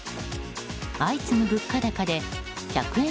相次ぐ物価高で１００円